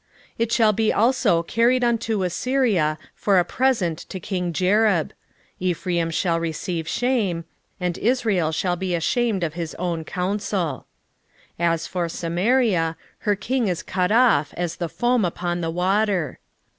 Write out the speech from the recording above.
10:6 It shall be also carried unto Assyria for a present to king Jareb: Ephraim shall receive shame, and Israel shall be ashamed of his own counsel. 10:7 As for Samaria, her king is cut off as the foam upon the water.